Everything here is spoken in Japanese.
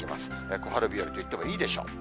小春日和といってもいいでしょう。